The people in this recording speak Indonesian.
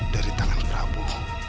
dari tangan prabu